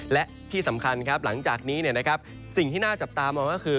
และที่สำคัญครับหลังจากนี้สิ่งที่น่าจับตามองก็คือ